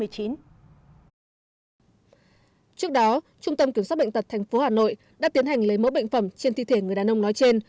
trước đó trung tâm kiểm soát bệnh tật tp hà nội đã tiến hành lấy mẫu bệnh phẩm trên thi thể người đàn ông nói trên